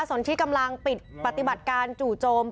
ส่วนที่กำลังปิดปฏิบัติการจู่โจม